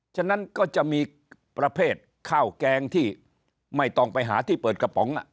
ฉะนั้นก็จะมีประเภทข้าวแกงที่ไม่ต้องไปหาที่เปิดกระป๋อง